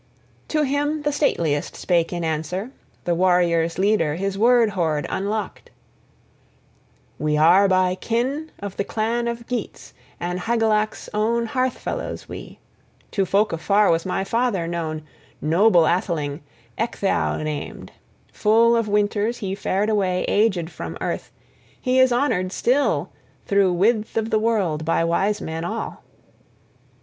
IV To him the stateliest spake in answer; the warriors' leader his word hoard unlocked: "We are by kin of the clan of Geats, and Hygelac's own hearth fellows we. To folk afar was my father known, noble atheling, Ecgtheow named. Full of winters, he fared away aged from earth; he is honored still through width of the world by wise men all.